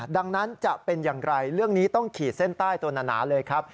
ดังนั้นจะเป็นอย่างไรเรื่องนี้ต้องขีดเส้นใต้ตัวหนาเลยครับ